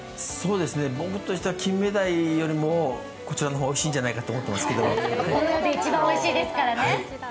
僕としては金目鯛よりもこちらの方がおいしいんじゃないかと思っていますけれどもこの世で一番おいしいですからね。